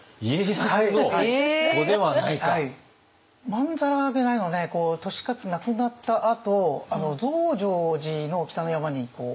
まんざらでないのはね利勝亡くなったあと増上寺の北の山に埋められてるんですね。